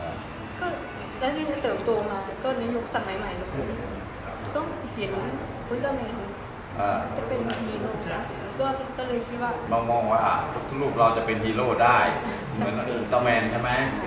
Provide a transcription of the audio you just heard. ก็เลยคิดว่าเรามองว่าลูกเราจะเป็นฮีโร่ได้เหมือนตาแมนใช่ไหม